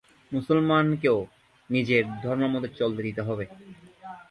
মুসলমানকেও নিজের ধর্মমতে চলতে দিতে হবে।